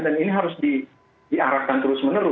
dan ini harus diarahkan terus menerus